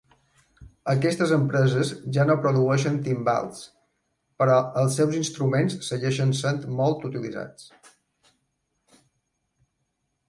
Aquestes empreses ja no produeixen timbals, però els seus instruments segueixen sent molt utilitzats.